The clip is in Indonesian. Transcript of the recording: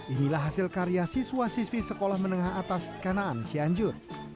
inilah hasil karya siswa siswi sekolah menengah atas kanaan cianjur